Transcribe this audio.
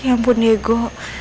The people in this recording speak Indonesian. ya ampun ego